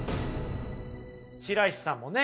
白石さんもね